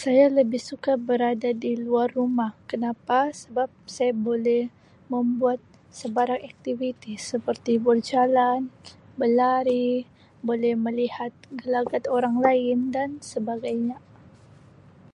Saya lebih suka berada di luar rumah kenapa sebab saya boleh membuat sebarang aktiviti seperti berjalan, belari, boleh melihat gelagat orang lain dan sebagainya.